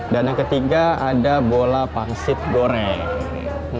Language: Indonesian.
dan yang ketiga ada bola pangsit goreng